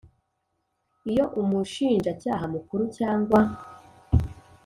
Iyo Umushinjacyaha Mukuru cyangwa